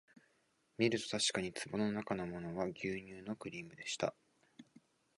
みるとたしかに壺のなかのものは牛乳のクリームでした